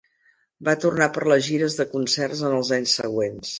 Va tornar per a les gires de concerts en els anys següents.